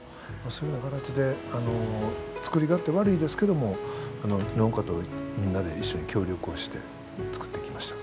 そういうような形で作り勝手悪いですけども農家とみんなで一緒に協力をして作ってきました。